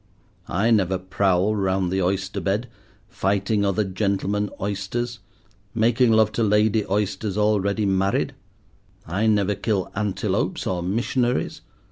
I never prowl round the oyster bed, fighting other gentlemen oysters, making love to lady oysters already married. I never kill antelopes or missionaries.